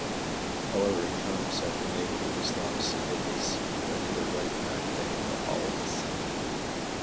However, he found himself unable to dislodge Sevilla's regular right-back Daniel Alves.